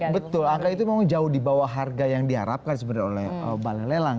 betul angka itu memang jauh di bawah harga yang diharapkan sebenarnya oleh balai lelang